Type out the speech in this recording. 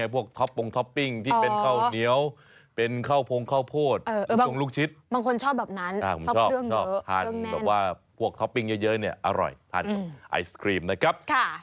พวกเยอะเนี่ยอร่อยทานไอศกรีมนะครับ